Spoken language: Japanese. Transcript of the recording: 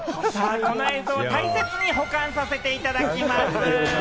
この映像は大切に保管させていただきます。